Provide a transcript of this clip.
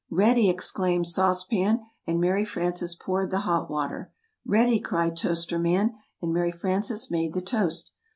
"Ready!" exclaimed Sauce Pan, and Mary Frances poured the hot water. "Ready!" cried Toaster Man, and Mary Frances made the toast.